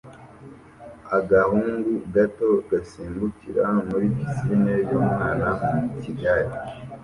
Agahungu gato gasimbukira muri pisine yumwana mu gikari